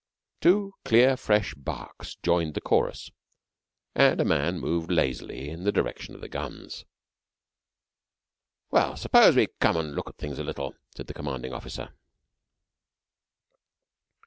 Two clear fresh barks joined the chorus, and a man moved lazily in the direction of the guns. "Well. Suppose we come and look at things a little," said the commanding officer.